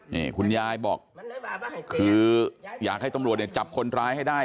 นี่คุณยายบอกคืออยากให้ตำรวจเนี่ยจับคนร้ายให้ได้